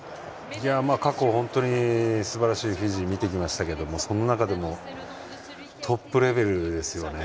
過去、本当にすばらしいフィジーを見てきましたけどその中でもトップレベルですよね。